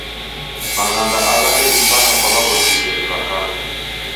Maghanga agha deghipata kwa w'aghosi w'edu w'a kala.